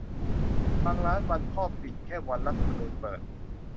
บางร้านวันพ่อปิดแต่วันรัฐธรรมนูญเปิด